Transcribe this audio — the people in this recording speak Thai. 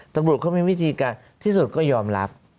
ตำรวจเขามีวิธีการที่สุดก็ยอมรับ